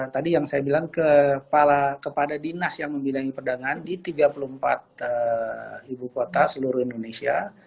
tadi yang saya bilang kepada dinas yang membidangi perdagangan di tiga puluh empat ibu kota seluruh indonesia